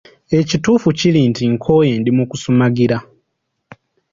Elkituufu kiri nti nkooye ndi mu kusumagira.